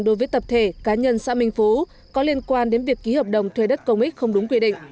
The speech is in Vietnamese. đối với tập thể cá nhân xã minh phú có liên quan đến việc ký hợp đồng thuê đất công ích không đúng quy định